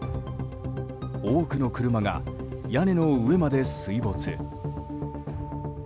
多くの車が屋根の上まで水没。